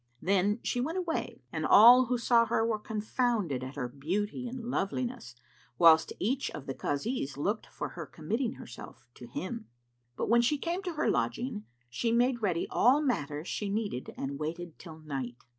Then she went away and all who saw her were confounded at her beauty and loveliness, whilst each of the Kazis looked for her committing herself to him. But, when she came to her lodging, she made ready all matters she needed and waited till night.